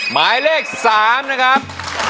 หมายเลข๓นะครับ